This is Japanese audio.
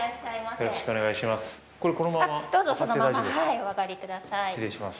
よろしくお願いします。